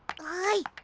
はい。